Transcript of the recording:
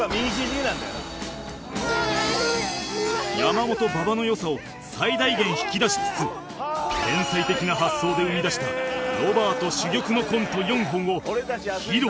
山本馬場の良さを最大限引き出しつつ天才的な発想で生み出したロバート珠玉のコント４本を披露